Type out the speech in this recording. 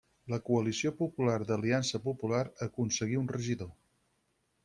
La coalició popular d'Aliança Popular aconseguí un regidor.